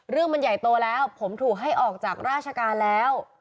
เรื่องมันใหญ่โตแล้วผมถูกให้ออกจากราชการแล้ว